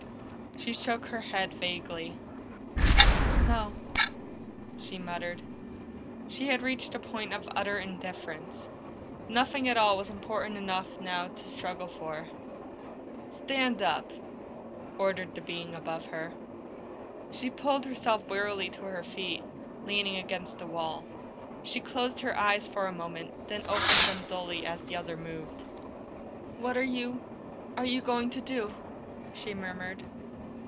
She shook her head vaguely. "No," she muttered. She had reached the point of utter indifference; nothing at all was important enough now to struggle for. "Stand up!" ordered the being above her. She pulled herself wearily to her feet, leaning against the wall. She closed her eyes for a moment, then opened them dully as the other moved. "What are you are you going to do?" she murmured.